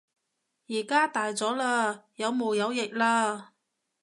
而家大咗喇，有毛有翼喇